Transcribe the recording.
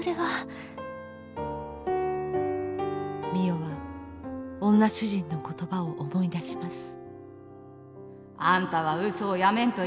美世は女主人の言葉を思い出します。